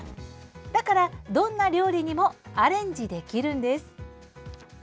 だから、どんな料理にもアレンジできるんです。